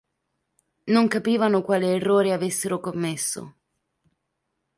Non capivano quale errore avessero commesso.